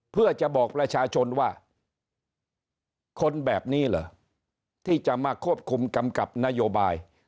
เพื่อจะบอกประชาชนว่าคนแบบนี้เหรอที่จะมาควบคุมกำกับนโยบาย